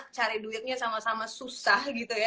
cari duitnya sama sama susah gitu ya